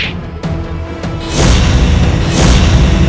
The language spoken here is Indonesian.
aku akan menangkapnya